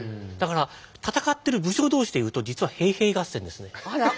だから戦ってる武将同士でいうと実は平平合戦ですね。